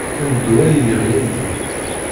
Ndu ay iɣi ndu.